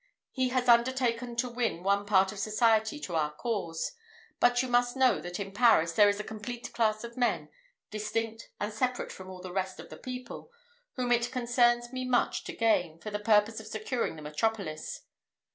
He has undertaken to win one part of society to our cause; but you must know that in Paris there is a complete class of men, distinct and separate from all the rest of the people, whom it concerns me much to gain, for the purpose of securing the metropolis.